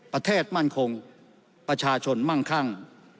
ประเทศมั่นคงประชาชนมั่งคั่ง